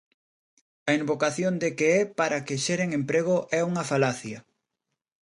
A invocación de que é para que xeren emprego é unha falacia.